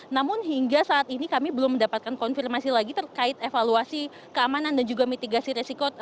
namun hingga saat ini kami belum mendapatkan konfirmasi lagi terkait evaluasi keamanan dan juga mitigasi resiko